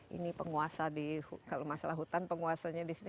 ini penguasa di kalau masalah hutan penguasanya di sini